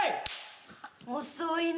「遅いな」